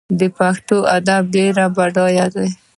د پښتو ادب ډیر بډایه دی.